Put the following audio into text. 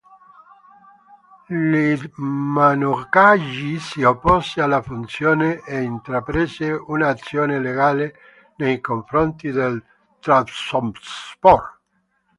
L'İdmanocağı si oppose alla fusione e intraprese un'azione legale nei confronti del Trabzonspor.